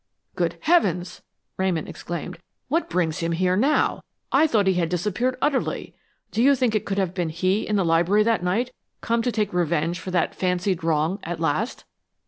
"Good heavens!" Ramon exclaimed. "What brings him here now? I thought he had disappeared utterly. Do you think it could have been he in the library that night, come to take revenge for that fancied wrong, at last?"